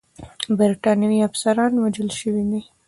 برټانوي افسران وژل شوي دي.